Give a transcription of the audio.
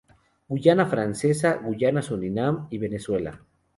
Guayana francesa, Guyana, Surinam y Venezuela.